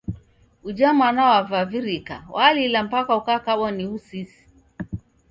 Uja mwana wavivirika. Walila mpaka ukakabwa ni w'usisi.